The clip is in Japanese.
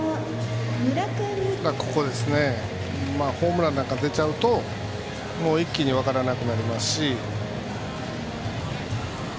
ホームランなんかが出ちゃうともう一気に分からなくなりますし。